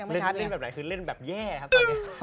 เล่นแบบไหนคือเล่นแบบแย่ครับตอนนี้